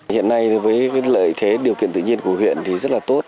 hiện nay với lợi thế điều kiện tự nhiên của huyện thì rất là tốt